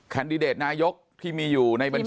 ดิเดตนายกที่มีอยู่ในบัญชี